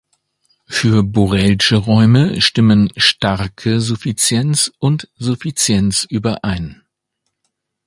Für borelsche Räume stimmen starke Suffizienz und Suffizienz überein.